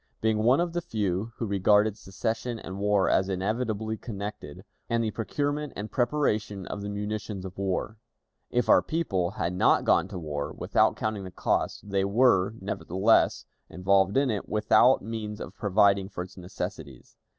Being one of the few who regarded secession and war as inevitably connected, my early attention was given to the organization of military forces and the procurement and preparation of the munitions of war. If our people had not gone to war without counting the cost, they were, nevertheless, involved in it without means of providing for its necessities.